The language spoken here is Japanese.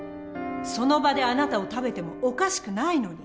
その場であなたを食べてもおかしくないのに。